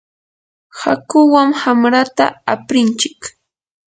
hakuwan wamrata aprinchik.